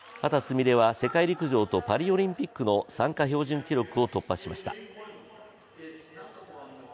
美鈴は世界陸上とパリオリンピックの参加標準記録を突破しました。